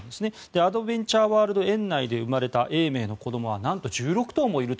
アドベンチャーワールド園内で生まれた永明の子どもはなんと１６頭もいると。